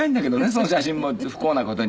その写真も不幸な事に。